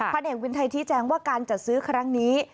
เนกวินไทยชี้แจงว่าการจัดซื้อครั้งนี้